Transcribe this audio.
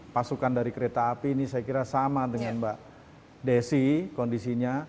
pasukan dari kereta api ini saya kira sama dengan mbak desi kondisinya